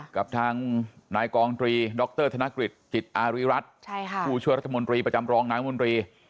กับทางนายกองตรีด็อกเตอร์ธนากฤษจิตคริสต์อาริรัฐเข้าชัวรรษมนตรีประจำรองนางมนตรี